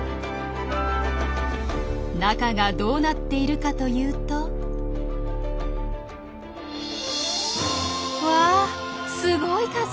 中がどうなっているかというと。わすごい数！